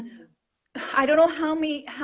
saya gak tahu bagaimana